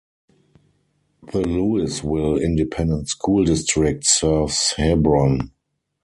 The Lewisville Independent School District serves Hebron.